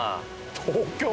東京？